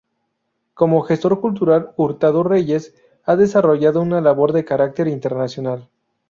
Como gestor cultural Hurtado Reyes ha desarrollado una labor de carácter internacional.